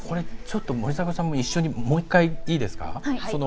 森迫さんも一緒にもう１回、いいですか。